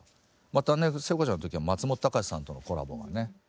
またね聖子ちゃんの時は松本隆さんとのコラボがね。